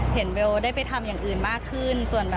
เบลได้ไปทำอย่างอื่นมากขึ้น